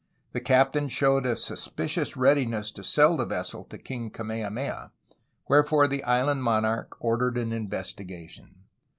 The captain showed a suspicious readiness to sell the vessel to King Kamehameha, wherefore the island monarch ordered an investigation.